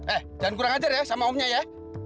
eh dan kurang ajar ya sama omnya ya